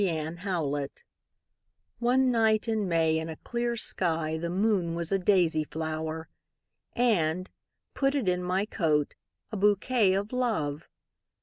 My Flower ONE night in May in a clear skyThe moon was a daisy flower:And! put it in my coat,A bouquet of Love!